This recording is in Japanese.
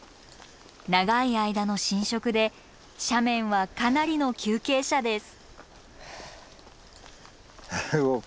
長い間の浸食で斜面はかなりの急傾斜です。